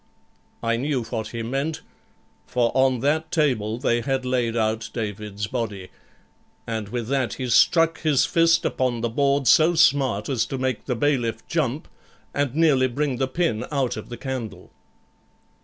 I knew what he meant; for on that table they had laid out David's body, and with that he struck his fist upon the board so smart as to make the bailiff jump and nearly bring the pin out of the candle.